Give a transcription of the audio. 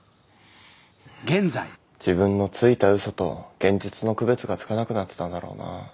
自分のついた嘘と現実の区別がつかなくなってたんだろうな。